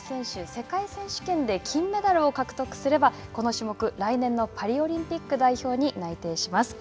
世界選手権で金メダルを獲得すれば、この種目来年のパリオリンピック代表に内定します。